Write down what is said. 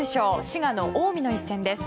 滋賀の近江の一戦です。